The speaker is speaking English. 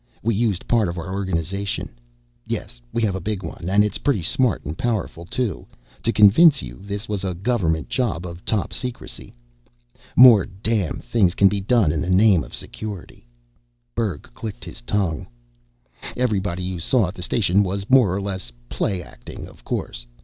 We used part of our organization yes, we have a big one, and it's pretty smart and powerful too to convince you this was a government job of top secrecy. More damn things can be done in the name of Security " Berg clicked his tongue. "Everybody you saw at the station was more or less play acting, of course.